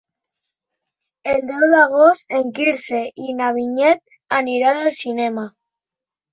El deu d'agost en Quirze i na Vinyet aniran al cinema.